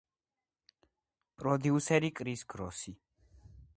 პროდიუსერი: კრის გროსი.